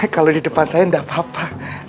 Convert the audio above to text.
kalau di depan saya tidak apa apa